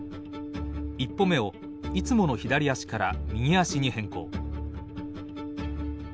１歩目をいつもの左足から右足に変更。